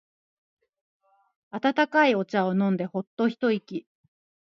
温かいお茶を飲んでホッと一息。